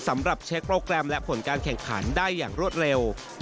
สำหรับเช็คโปรแกรมและผลการแข่งขันได้อย่างรวดเร็ว